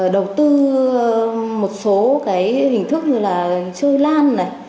đầu tư một số cái hình thức như là chơi lan này